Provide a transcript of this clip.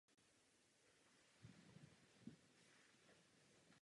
Také jsou použita menší okna na stanovištích.